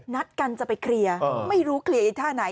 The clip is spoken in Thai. นัดกันจะไปเคลียร์ไม่รู้เคลียร์อีกท่าไหน